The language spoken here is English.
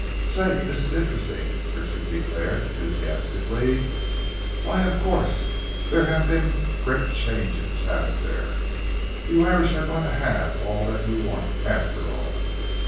"Say, this is interesting!" Richard declared enthusiastically. "Why, of course, there have been great changes, haven't there? You Irish are going to have all that you want, after all."